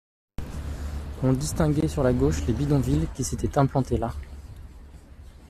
On distinguait sur la gauche les bidonvilles qui s’étaient implantés là.